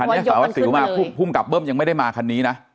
อันนี้สารวัสสิวมาภูมิกับเบิ้มยังไม่ได้มาคันนี้นะ